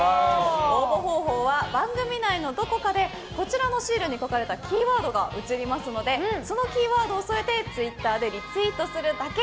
応募方法は番組内のどこかでこちらのシールに書かれたキーワードが映りますのでそのキーワードを添えてツイッターでリツイートするだけ。